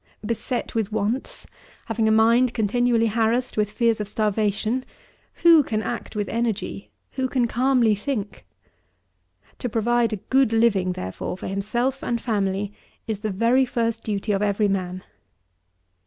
Beset with wants, having a mind continually harassed with fears of starvation, who can act with energy, who can calmly think? To provide a good living, therefore, for himself and family, is the very first duty of every man.